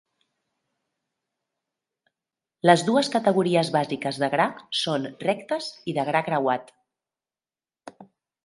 Les dues categories bàsiques de gra són rectes i de gra creuat.